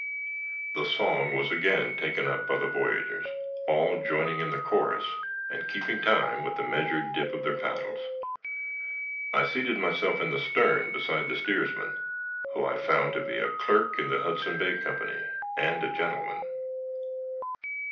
The song was again taken up by the voyageurs, all joining in the chorus and keeping time with the measured dip of their paddles. I seated myself in the stern, beside the steersman, who I found to be a clerk in the Hudson Bay Company, and a gentleman.